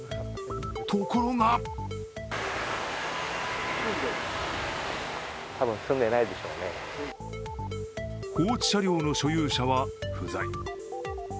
ところが放置車両の所有者は不在。